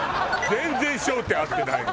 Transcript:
全然焦点合ってない。